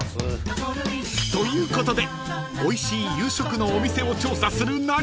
［ということでおいしい夕食のお店を調査する］